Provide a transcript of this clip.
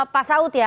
pak saud ya